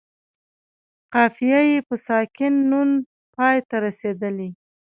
قافیه یې په ساکن نون پای ته رسیدلې.